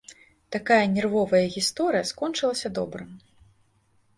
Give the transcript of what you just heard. Такая нервовая гісторыя скончылася добра.